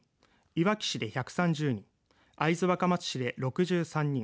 いわき市で１３０人会津若松市で６３人